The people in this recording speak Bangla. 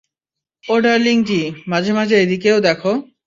ও ডার্লিং জ্বি, মাঝে মাঝে এই দিকেও দেখো।